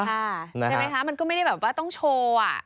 ใช่ไหมคะมันก็ไม่ได้แบบว่าต้องโชว์